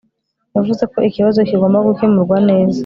yavuze ko ikibazo kigomba gukemurwa neza